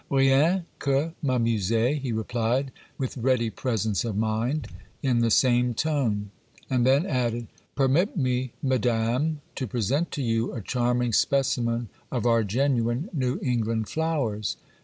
'Rien que m'amuser,' he replied, with ready presence of mind, in the same tone, and then added— 'Permit me, madame, to present to you a charming specimen of our genuine New England flowers.